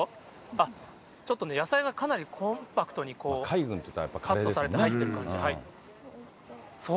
あっ、ちょっとね、野菜がかなりコンパクトにカットされて入ってる。